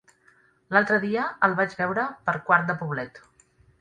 L'altre dia el vaig veure per Quart de Poblet.